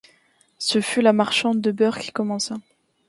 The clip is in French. Ce fut la marchande de beurre qui commença.